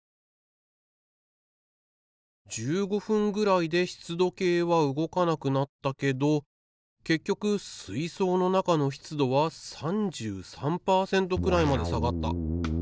１５分ぐらいで湿度計は動かなくなったけど結局水槽の中の湿度は３３パーセントくらいまで下がった。